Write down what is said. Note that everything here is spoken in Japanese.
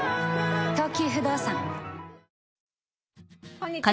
「こんにちは。